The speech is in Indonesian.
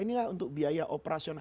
inilah untuk biaya operasional